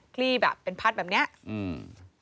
คลี่เป็นพัดแบบเนี้ย